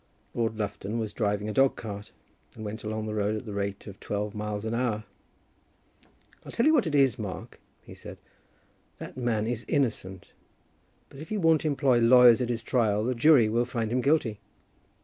Lord Lufton was driving a dog cart, and went along the road at the rate of twelve miles an hour. "I'll tell you what it is, Mark," he said, "that man is innocent; but if he won't employ lawyers at his trial, the jury will find him guilty."